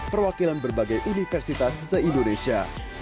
perwakilan berbagai universitas se indonesia